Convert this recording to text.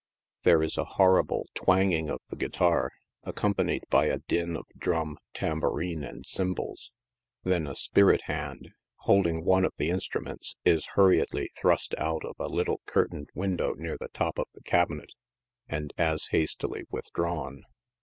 There is a horrible twanging of the guitar, accompanied by a din of drum, tambourine and cymbals. Then a " spirit hand," holding one of these instruments, is hurriedly thrust out of a little curtained window near the top of the cabinet, and as hurriedly withdrawn.